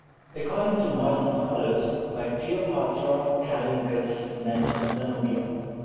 According to modern scholars, by Cleopatra Callinicus meant Zenobia.